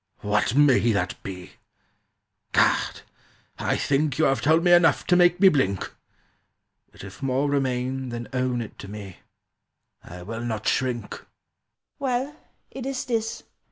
What may that be? Gad, I think You have told me enough to make me blink! Yet if more remain Then own it to me. I will not shrink!" "Well, it is this.